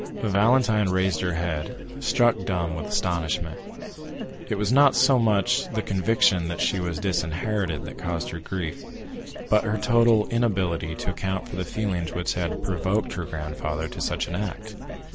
Valentine raised her head, struck dumb with astonishment. It was not so much the conviction that she was disinherited that caused her grief, but her total inability to account for the feelings which had provoked her grandfather to such an act.